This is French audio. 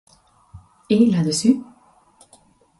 Et là-dessus.